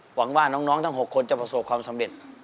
หวังว่าน้องทั้ง๖คนจะประสบความสำเร็จ